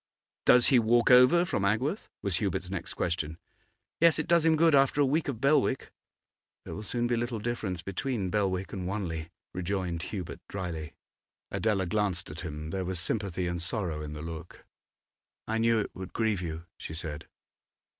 'Does he walk over from Agworth?' was Hubert's next question. 'Yes. It does him good after a week of Belwick.' 'There will soon be little difference between Belwick and Wanley,' rejoined Hubert, drily. Adela glanced at him; there was sympathy and sorrow in the look. 'I knew it would grieve you,' she said.